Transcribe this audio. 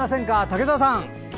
竹澤さん。